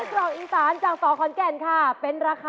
ต้องถูกกว่า๙๑บาทครับ